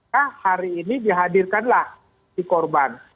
nah hari ini dihadirkanlah saksi korban